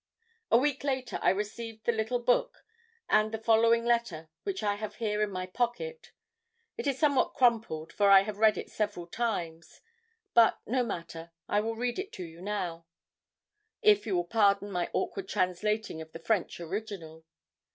"A week later I received the little book and the following letter which I have here in my pocket. It is somewhat crumpled, for I have read it several times. But no matter. I will read it to you now, if you will pardon my awkward translating of the French original.